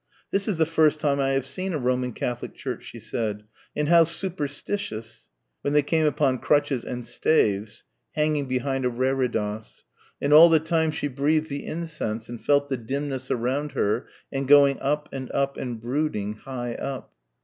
"This is the first time I have seen a Roman Catholic church," she said, and "how superstitious" when they came upon crutches and staves hanging behind a reredos and all the time she breathed the incense and felt the dimness around her and going up and up and brooding, high up.